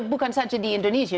bukan saja di indonesia